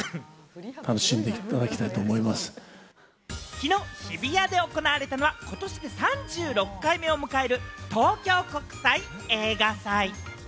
きのう日比谷で行われたのは、ことしで３６回目を迎える東京国際映画祭。